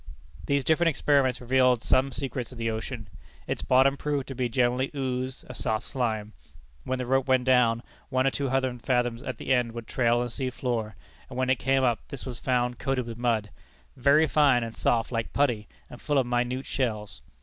These different experiments revealed some secrets of the ocean. Its bottom proved to be generally ooze, a soft slime. When the rope went down, one or two hundred fathoms at the end would trail on the sea floor; and when it came up, this was found coated with mud, "very fine and soft like putty, and full of minute shells."